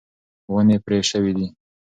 ونې پرې شوې دي.